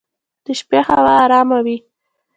د شپې هوا ارامه وي.